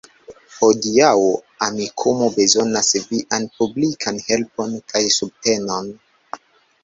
Hodiaŭ Amikumu bezonas vian publikan helpon kaj subtenon